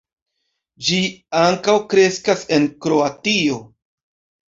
Ĝi ankaŭ kreskas en Kroatio.